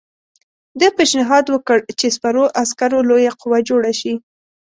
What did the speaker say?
ده پېشنهاد وکړ چې سپرو عسکرو لویه قوه جوړه شي.